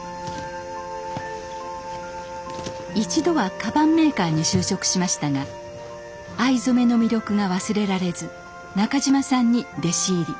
一度はカバンメーカーに就職しましたが藍染めの魅力が忘れられず中島さんに弟子入り。